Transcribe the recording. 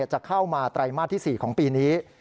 จะเข้ามาไตรมาสที่๔ของปีนี้